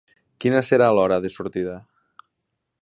Quina serà l'hora de sortida?